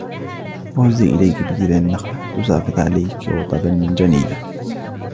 وَهُزِّي إِلَيْكِ بِجِذْعِ النَّخْلَةِ تُسَاقِطْ عَلَيْكِ رُطَبًا جَنِيًّا